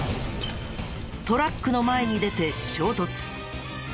トラックの前に出て衝突。